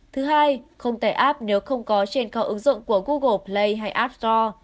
thứ hai không tải app nếu không có trên cao ứng dụng của google play hay app store